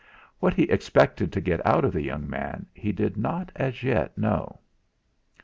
What he expected to get out of the young man he did not as yet know.